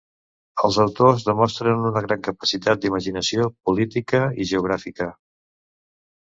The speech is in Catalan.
Els autors demostren una gran capacitat d’imaginació política i geogràfica.